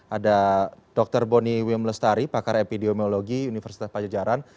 ada dr boni wim lestari pakar epidemiologi universitas pajajaran